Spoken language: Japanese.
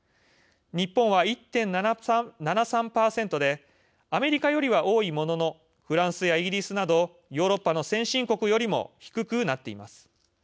日本は１．７３％でアメリカよりは多いもののフランスやイギリスなどヨーロッパの先進国よりも低くなっています。